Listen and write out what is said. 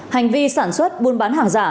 hành vi sản xuất buôn bán hàng giả